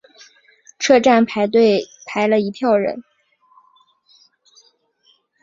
车站排队排了一票人